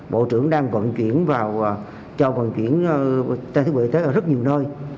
bộ trưởng đang vận chuyển vào cho vận chuyển thiết bị ở rất nhiều nơi